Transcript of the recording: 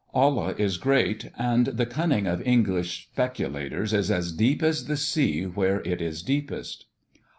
Allah is great, and the cunning of English speculators is as deep as the sea where it is deepest.